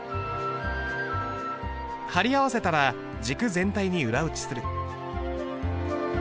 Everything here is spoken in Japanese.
貼り合わせたら軸全体に裏打ちする。